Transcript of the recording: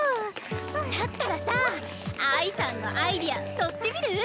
だったらさ愛さんのアイデア乗ってみる？